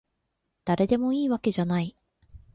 だれでもいいわけじゃない